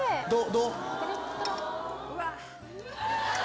どう？